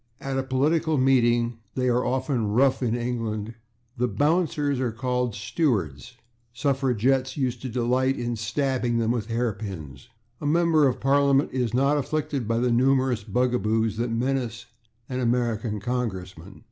At a political meeting (they are often rough in England) the /bouncers/ are called /stewards/; the suffragettes used to delight in stabbing them with hatpins. A member of Parliament is not afflicted by the numerous bugaboos that menace an American congressman.